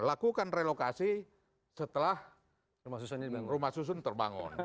lakukan relokasi setelah rumah susun terbangun